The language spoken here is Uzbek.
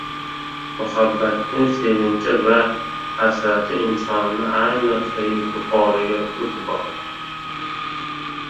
muhabbatning sevinchi va hasrati insonni, ayniqsa yuragida o‘ti bor